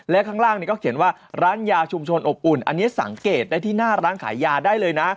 และข้างล่างนี้ก็เขียนว่าร้านยาชุมชนอบอุ่นอันนี้สังเกตได้ที่หน้าร้านขายยาได้เลยนะ